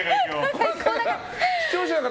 視聴者の方